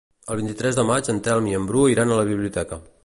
El vint-i-tres de maig en Telm i en Bru iran a la biblioteca.